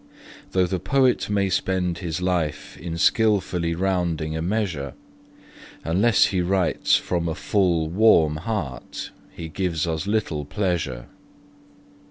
Though the poet may spend his life in skilfully rounding a measure, Unless he writes from a full, warm heart he gives us little pleasure.